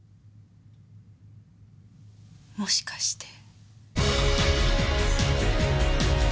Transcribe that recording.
もしかして。